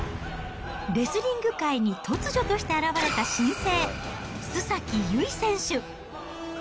レスリング界に突如として現れた新星、須崎優衣選手。